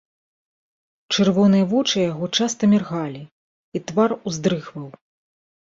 Чырвоныя вочы яго часта міргалі, і твар уздрыгваў.